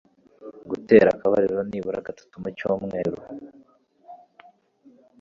Gutera akabariro nibura gatatu mu cyumweru